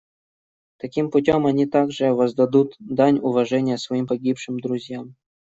Таким путем они также воздадут дань уважения своим погибшим друзьям.